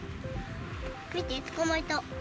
見て、捕まえた。